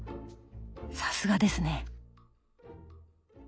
さすがですね。